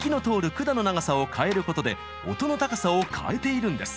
管の長さを変えることで音の高さを変えているんです。